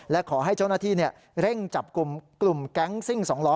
และขอให้เจ้าหน้าที่เร่งจับกลุ่มแก๊งซิ่ง๒ล้อ